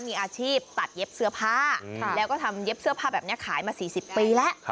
มีอาชีพตัดเย็บเสื้อผ้าแล้วก็ทำเย็บเสื้อผ้าแบบนี้ขายมา๔๐ปีแล้ว